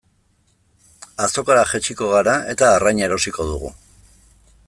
Azokara jaitsiko gara eta arraina erosiko dugu.